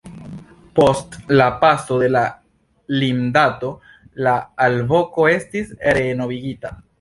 Post la paso de la limdato la alvoko estis renovigita.